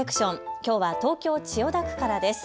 きょうは東京千代田区からです。